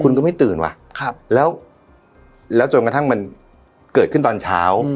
คุณก็ไม่ตื่นว่ะแล้วจนกระทั่งมันเกิดขึ้นตอนเช้า